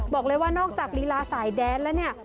บอกเลยว่านอกจากลีลาสายแดนแล้วเนี่ย